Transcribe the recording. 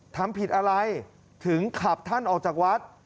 ทำผิดอะไรถึงขับท่านออกจากวัด